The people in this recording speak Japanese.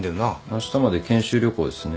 あしたまで研修旅行ですね。